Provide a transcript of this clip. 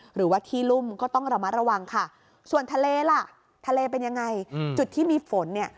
หรือว่าที่รุ่มก็ต้องระมัดระวังค่ะส่วนทะเลล่ะทะเลเป็นยังไงจุดที่มีฝนเนี่ย